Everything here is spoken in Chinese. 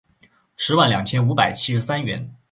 十万两千五百七十三元